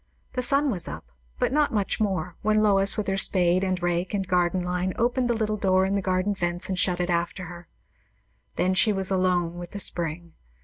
The sun was up, but not much more, when Lois, with her spade and rake and garden line, opened the little door in the garden fence and shut it after her. Then she was alone with the spring.